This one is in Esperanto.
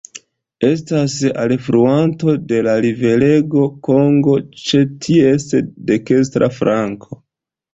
Estas alfluanto de la riverego Kongo ĉe ties dekstra flanko.